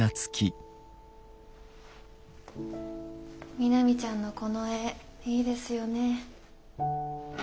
みなみちゃんのこの絵いいですよねえ。